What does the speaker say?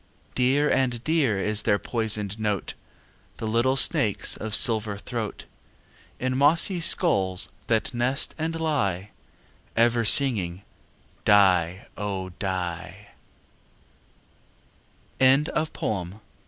Dear and dear is their poisoned note, The little snakes' of silver throat, In mossy skulls that nest and lie, Ever singing "die, oh!